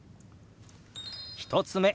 １つ目。